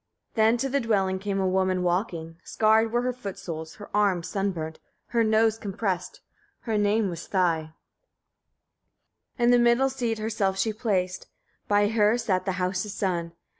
10. Then to the dwelling came a woman walking, scarred were her foot soles, her arms sunburnt, her nose compressed, her name was Thy. 11. In the middle seat herself she placed; by her sat the house's son.